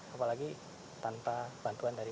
apalagi tanpa bantuan dari